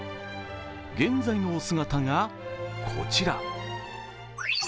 現在のお姿がこちら。